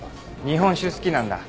日本酒好きなんだ？